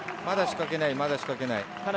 まだ仕掛けないまだ仕掛けない。